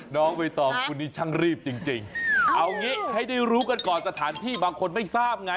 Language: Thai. น้องใบตองคนนี้ช่างรีบจริงเอางี้ให้ได้รู้กันก่อนสถานที่บางคนไม่ทราบไง